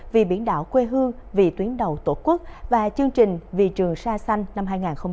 vì biển đảo quê hương vì tuyến đầu tổ quốc và chương trình vì trường sa xanh năm hai nghìn hai mươi bốn